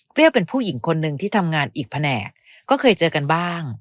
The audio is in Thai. เป็นผู้หญิงคนหนึ่งที่ทำงานอีกแผนกก็เคยเจอกันบ้าง